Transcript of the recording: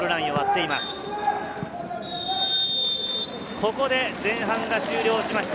ここで前半が終了しました。